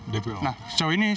nah sejauh ini sudah